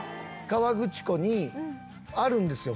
河口湖にあるんですよ